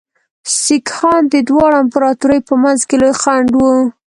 سیکهان د دواړو امپراطوریو په منځ کې لوی خنډ وو.